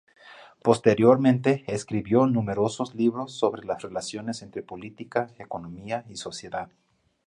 Posteriormente escribió numerosos libros sobre las relaciones entre política, economía y sociedad.